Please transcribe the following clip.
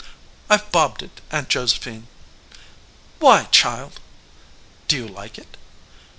"I've bobbed it, Aunt Josephine." "Why, child!" "Do you like it?"